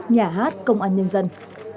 nhà hát công an nhân dân